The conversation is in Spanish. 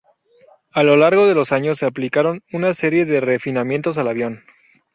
A lo largo de los años, se aplicaron una serie de refinamientos al avión.